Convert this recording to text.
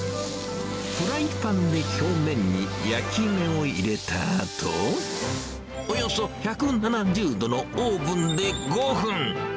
フライパンで表面に焼き目を入れたあと、およそ１７０度のオーブンで５分。